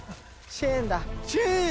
チェーンだ。